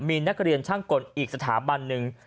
มีนักเรียนช่างกลอีกสถาบันหนึ่ง